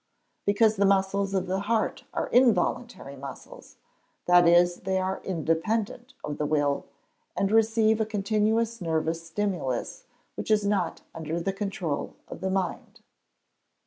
_ Because the muscles of the heart are involuntary muscles that is, they are independent of the will, and receive a continuous nervous stimulus which is not _under the controul of the mind.